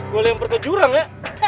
gue lempar ke jurang ya